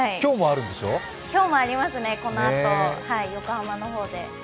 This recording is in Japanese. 今日もありますね、このあと横浜の方で。